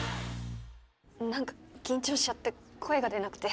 何か緊張しちゃって声が出なくて。